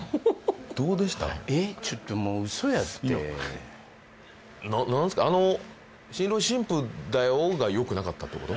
えっちょっともう嘘やって何すかあの「新郎新婦だよ」がよくなかったってこと？